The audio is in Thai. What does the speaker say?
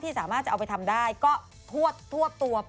ที่สามารถจะเอาไปทำได้ก็ทวด